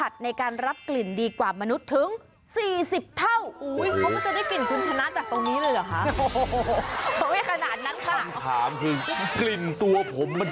ได้รับกลิ่นไวกว่ามนุษย์๔๐เท่าแล้วคุณ